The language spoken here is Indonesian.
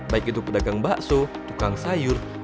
baik itu pedagang bakso tukang sayur